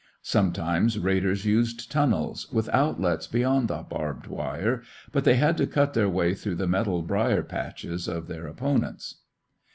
Sometimes raiders used tunnels, with outlets beyond the barbed wire, but they had to cut their way through the metal brier patches of their opponents.